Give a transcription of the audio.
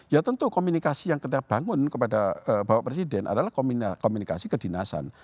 ya tentu komunikasi yang kita bangun kepada bapak presiden adalah komunikasi kedinasan